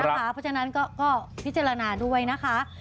เพราะฉะนั้นก็พิจารณาด้วยนะคะ